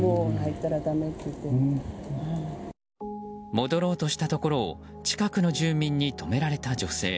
戻ろうとしたところを近くの住民に止められた女性。